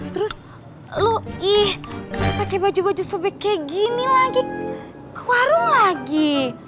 terus lo ih pake baju baju sobek kayak gini lagi ke warung lagi